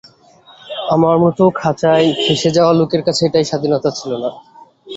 আমার মতো খাঁচায় ফেসে যাওয়া লোকের কাছে, এই স্বাধীনতা ছিল না।